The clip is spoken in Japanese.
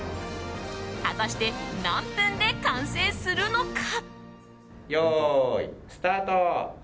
果たして、何分で完成するのか。